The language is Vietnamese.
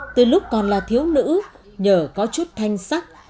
từ lúc còn là thiếu nữ nhờ có chút thanh sắc